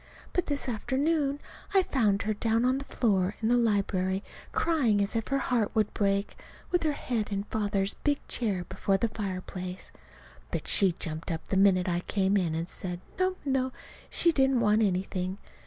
But this afternoon I found her down on the floor in the library crying as if her heart would break with her head in Father's big chair before the fireplace. But she jumped up the minute I came in and said, no, no, she didn't want anything.